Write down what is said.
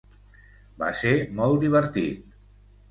Va ser molt divertit.